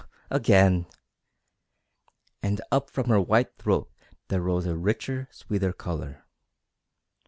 "Again!" And up from her white throat there rose a richer, sweeter colour.